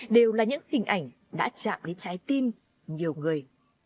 đều là những hình ảnh đã chạm đến trái tim nhiều người